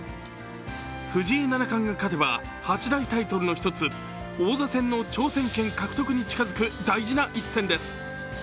藤井七冠が勝てば８大タイトルの１つ、王座戦の挑戦権獲得に近づく大事な一戦です。